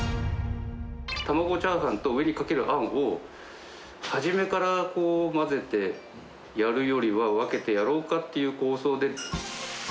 卵チャーハンと上にかけるあんを、初めから混ぜてやるよりは、分けてやろうかっていう構想で。